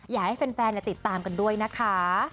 อยากให้แฟนติดตามกันด้วยนะคะ